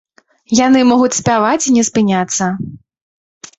Яны могуць спяваць і не спыняцца.